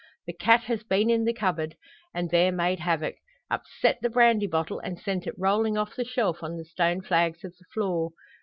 The cat has been in the cupboard, and there made havoc upset the brandy bottle, and sent it rolling off the shelf on the stone flags of the floor!